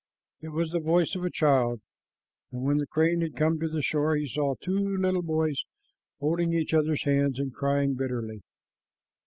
It was the voice of a child, and when the crane had come to the shore, he saw two little boys holding each other's hands and crying bitterly.